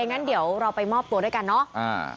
งั้นเดี๋ยวเราไปมอบตัวด้วยกันเนาะ